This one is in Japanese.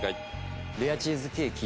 レアチーズケーキ。